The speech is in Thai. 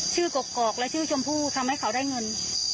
กกอกและชื่อชมพู่ทำให้เขาได้เงิน